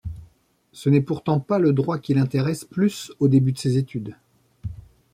Ce n’est pourtant pas le droit qui l’intéresse plus au début de ses études.